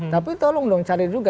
tapi tolong dong cari juga